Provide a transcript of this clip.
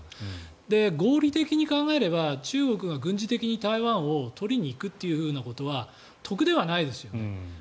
合理的に考えれば中国が軍事的に台湾を取りに行くということは得ではないですよね。